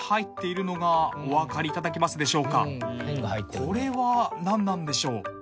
これはなんなんでしょう？